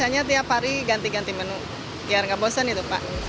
biasanya tiap hari ganti ganti menu biar nggak bosen itu pak